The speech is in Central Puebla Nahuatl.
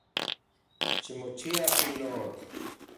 Ximochia, pinotl.